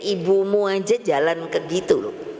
ibumu aja jalan ke gitu loh